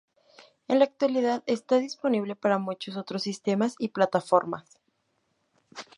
En la actualidad está disponible para muchos otros sistemas y plataformas.